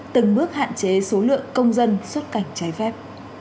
từng bước hạn chế số lượng công dân xuất cảnh trái phép